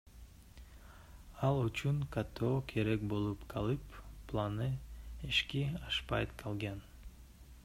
Ал үчүн каттоо керек болуп калып, планы ишке ашпай калган.